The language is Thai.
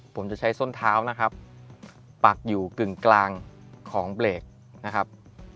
ผมจะใช้ส้นเท้านะครับปักอยู่กึ่งกลางของเบรกนะครับ